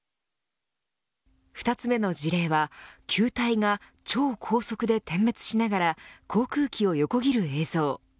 ２つ目の事例は球体が超高速で点滅しながら航空機を横切る映像。